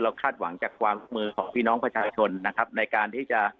คาดหวังจากความร่วมมือของพี่น้องประชาชนนะครับในการที่จะ